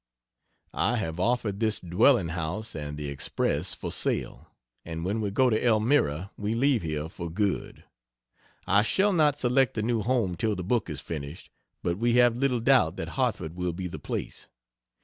I have offered this dwelling house and the Express for sale, and when we go to Elmira we leave here for good. I shall not select a new home till the book is finished, but we have little doubt that Hartford will be the place.